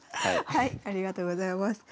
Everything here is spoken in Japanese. ありがとうございます。